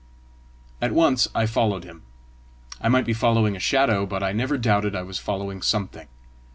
At once I followed him: I might be following a shadow, but I never doubted I was following something.